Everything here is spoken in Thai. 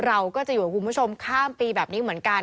เราก็จะอยู่กับคุณผู้ชมข้ามปีแบบนี้เหมือนกัน